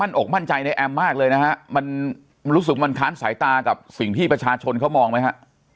อกมั่นใจในแอมมากเลยนะฮะมันรู้สึกมันค้านสายตากับสิ่งที่ประชาชนเขามองไหมฮะ